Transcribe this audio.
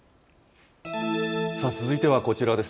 続いてはこちらです。